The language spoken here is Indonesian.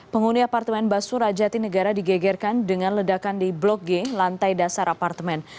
penghuni apartemen basura jatinegara digegerkan dengan ledakan di blok g lantai dasar apartemen